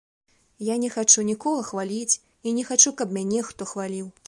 Я не хачу нікога хваліць і не хачу, каб мяне хто хваліў.